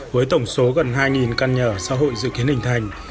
với tổng số gần hai căn nhà ở xã hội dự kiến hình thành